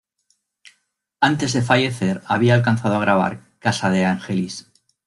Antes de fallecer había alcanzado a grabar "Casa de Angelis".